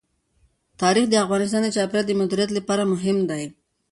تاریخ د افغانستان د چاپیریال د مدیریت لپاره مهم دي.